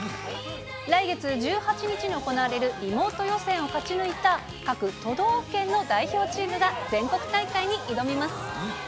来月１８日に行われるリモート予選を勝ち抜いた、各都道府県の代表チームが、全国大会に挑みます。